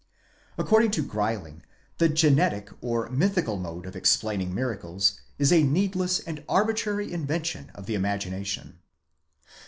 According to Greiling the genetic, or mythical mode of explaining miracles, is a needless and arbitrary invention of the imagination.